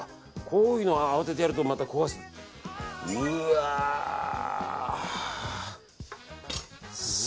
こういうのを慌ててやるとまた壊す。